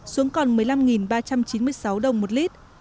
xuống còn một mươi năm ba trăm chín mươi sáu đồng một lít